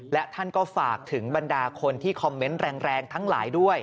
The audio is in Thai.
และท่านก็ฝากถึงบรรดาคนที่คอมเมนต์แรงทั้งหลายด้วย